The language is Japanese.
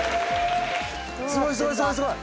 すごいすごいすごいすごい。